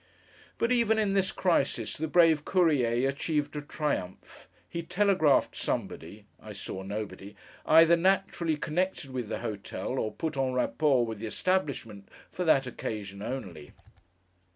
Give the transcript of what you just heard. But even in this crisis the brave Courier achieved a triumph. He telegraphed somebody (I saw nobody) either naturally connected with the hotel, or put en rapport with the establishment for that occasion only.